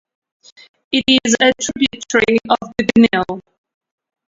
It is a tributary of the Genil.